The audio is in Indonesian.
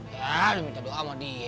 ya minta doa sama dia